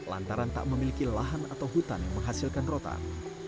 mereka memiliki lahan atau hutan yang menghasilkan rotan